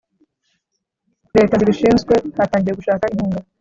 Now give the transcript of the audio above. Leta zibishinzwe zatangiye gushaka inkunga